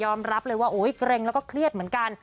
รับเลยว่าโอ๊ยเกร็งแล้วก็เครียดเหมือนกัน